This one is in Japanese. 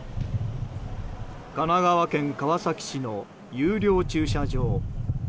神奈川県川崎市の有料駐車場。